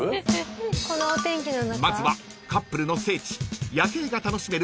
［まずはカップルの聖地夜景が楽しめる